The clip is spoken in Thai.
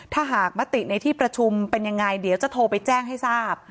ถ้าหากมติในที่ประชุมเป็นยังไงเดี๋ยวจะโทรไปแจ้งให้ทราบ